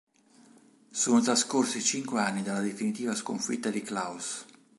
Sono trascorsi cinque anni dalla definitiva sconfitta di Klaus.